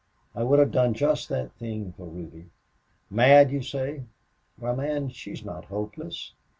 I would have done just that thing for Ruby.... Mad, you say?... Why, man, she's not hopeless!